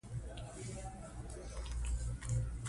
افغانستان د غرونه د ساتنې لپاره قوانین لري.